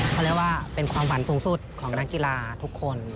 เขาเรียกว่าเป็นความฝันสูงสุดของนักกีฬาทุกคน